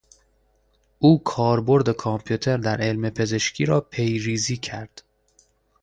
او کاربرد کامپیوتر در علم پزشکی را پیریزی کرد.